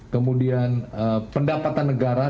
kemudian pendapatan negara